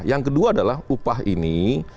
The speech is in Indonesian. yang kedua adalah upah ini